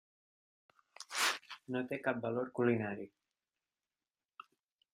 No té cap valor culinari.